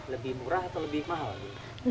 lebih murah atau lebih mahal